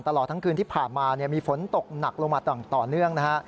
ตลอดทั้งคืนที่ผ่านมามีฝนตกหนักลงมาต่อเนื่องนะฮะ